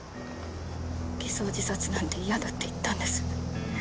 偽装自殺なんて嫌だって言ったんです。